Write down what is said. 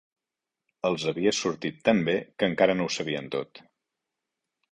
Els havia sortit tant bé que encara no ho sabien tot.